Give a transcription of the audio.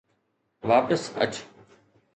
واپس اچ